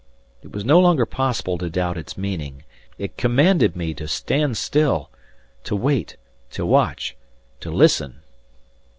It was no longer possible to doubt its meaning. It commanded me to stand still to wait to watch to listen!